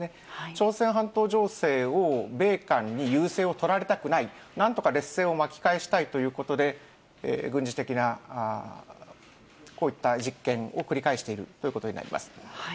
朝鮮半島情勢を米韓に優勢を取られたくない、なんとか劣勢を巻き返したいということで、軍事的なこういった実験を繰り返しているということになります。